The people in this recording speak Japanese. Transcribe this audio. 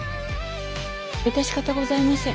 致し方ございませぬ。